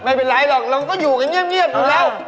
ไม่เป็นไรหรอกเราก็อยู่กันเงียบอยู่แล้ว